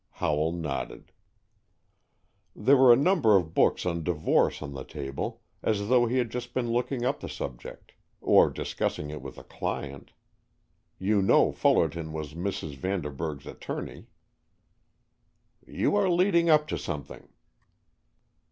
Howell nodded. "There were a number of books on divorce on the table, as though he had just been looking up the subject, or discussing it with a client. You know Fullerton was Mrs. Vanderburg's attorney." "You are leading up to something."